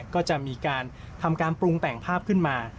ก็จะมีการทำการปรุงแต่งภาพขึ้นมา